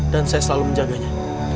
dan saya selalu menjaganya